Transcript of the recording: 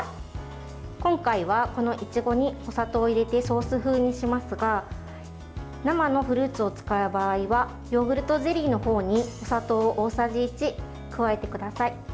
今回は、このいちごにお砂糖を入れてソース風にしますが生のフルーツを使う場合はヨーグルトゼリーの方にお砂糖を大さじ１加えてください。